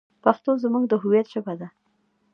پښتو زموږ د هویت ژبه ده.